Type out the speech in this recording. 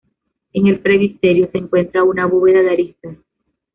En el presbiterio se encuentra una bóveda de aristas.